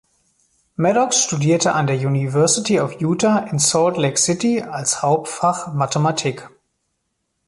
Maddox studierte an der University of Utah in Salt Lake City als Hauptfach Mathematik.